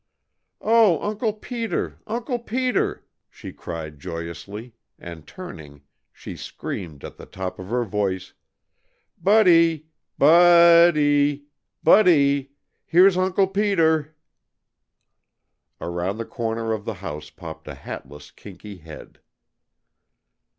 "O Uncle Peter! Uncle Peter!" she cried joyously, and turning, she screamed at the top of her voice: "Bud dy! B u u u dy! Bud dy! Here's Uncle Peter!" Around the corner of the house popped a hatless, kinky head.